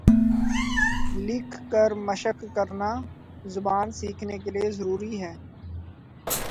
لکھ کر مشق کرنا زبان سیکهنے کے لیے ضروری ہے